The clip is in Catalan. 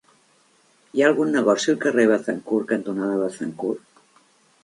Hi ha algun negoci al carrer Béthencourt cantonada Béthencourt?